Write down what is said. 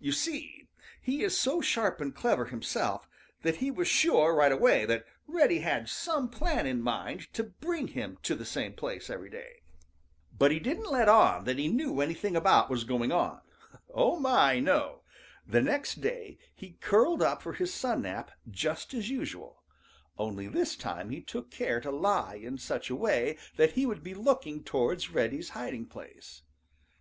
You see, he is so sharp and clever himself that he was sure right away that Reddy had some plan in mind to bring him to the same place every day. But he didn't let on that he knew anything about what was going on. Oh, my, no! The next day he curled up for his sun nap just as usual, only this time he took care to lie in such a way that he would be looking towards Reddy's hiding place.